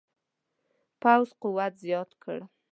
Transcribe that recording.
پوځ قوت زیات کړ.